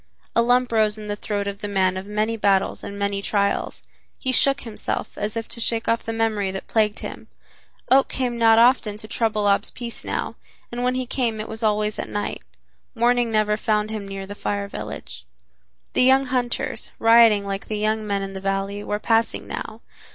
A lump rose in the throat of the man of many battles and many trials. He shook himself, as if to shake off the memory that plagued him. Oak came not often to trouble Ab's peace now, and when he came it was always at night. Morning never found him near the Fire Village. The young hunters, rioting like the young men in the valley, were passing now.